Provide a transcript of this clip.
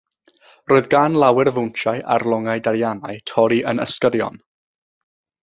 Roedd gan lawer fowntiau ar longau dariannau torri yn ysgyrion.